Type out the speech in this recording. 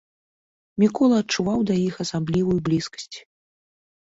Мікола адчуваў да іх асаблівую блізкасць.